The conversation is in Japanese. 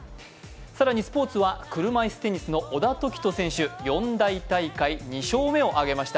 更にスポーツは車いすテニスの小田凱人選手、四大大会２勝目を挙げました。